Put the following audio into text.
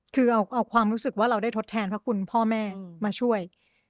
คือเอาความรู้สึกว่าเราได้ทดแทนพระคุณพ่อแม่มาช่วย